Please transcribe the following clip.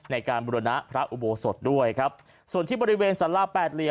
ในการบุรณะพระอุโบสถด้วยครับส่วนที่บริเวณสาราแปดเหลี่ย